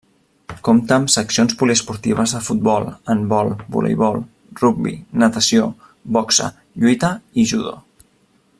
Compta amb seccions poliesportives de futbol, handbol, voleibol, rugbi, natació, boxa, lluita i judo.